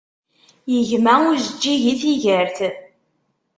Yegma ujeǧǧig i tigert.